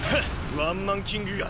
ワンマンキングが。